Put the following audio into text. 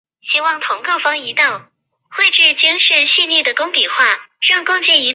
是一家位于荷兰埃因霍温的足球俱乐部。